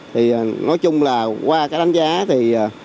thì nói chung là qua cái đánh giá thì